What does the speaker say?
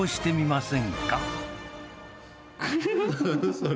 それ！